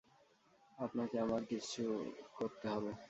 আপনাকে আমার জন্য কিছু করতে হবে।